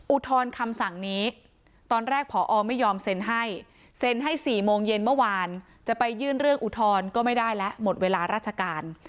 อุทธรณ์คำสั่งนี้ตอนแรกผอไม่ยอมเซ็นให้เซ็นให้๔โมงเย็นเมื่อวานจะไปยื่นเรื่องอุทธรณ์ก็ไม่ได้แล้วหมดเวลาราชการ